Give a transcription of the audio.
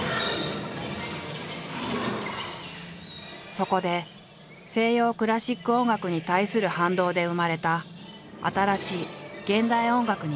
そこで西洋クラシック音楽に対する反動で生まれた新しい現代音楽に出会った。